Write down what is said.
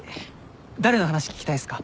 誰の話聞きたいっすか？